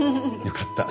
よかった。